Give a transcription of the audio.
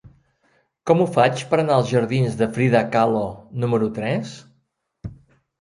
Com ho faig per anar als jardins de Frida Kahlo número tres?